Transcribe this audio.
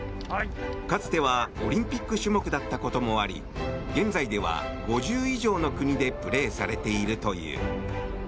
かつてはオリンピック種目だったこともあり現在では５０以上の国でプレーされているという。